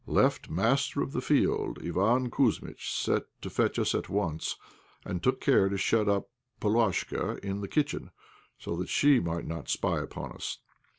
Left master of the field, Iván Kouzmitch sent to fetch us at once, and took care to shut up Polashka in the kitchen so that she might not spy upon us.